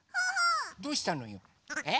どうしたのよ？え？